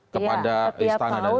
kepada istana dan sebagainya